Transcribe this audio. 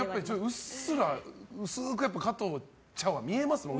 うっすら、薄く加藤茶は見えますもん